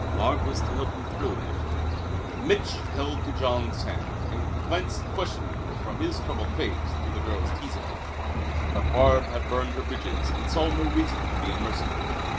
Barbe was to help me through with it." Mich' held to Jean's hand, and glanced questioningly from his troubled face to the girl's teasing one. But Barbe had burned her bridges and saw no reason to be unmerciful.